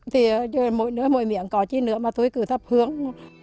thì mỗi nơi mỗi miệng có chi nữa mà tôi cứ thấp hương